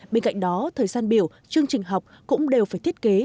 bên cạnh đó thời gian biểu chương trình học cũng đều phải thiết kế